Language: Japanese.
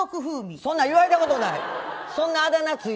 そんなこと言われたことない！